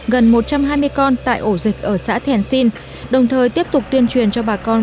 gần một trăm hai mươi con tại ổ dịch ở xã thèn sinh đồng thời tiếp tục tuyên truyền cho bà con